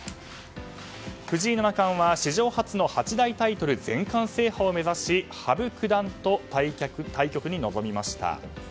藤井七冠は史上初の八大タイトル全冠制覇を目指し羽生九段と対局に臨みました。